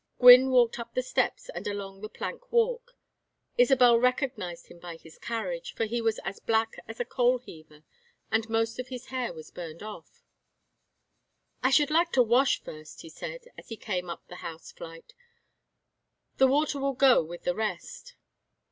Gwynne walked up the steps and along the plank walk. Isabel recognized him by his carriage, for he was as black as a coal heaver and most of his hair was burned off. "I should like to wash first," he said, as he came up the house flight. "The water will go with the rest."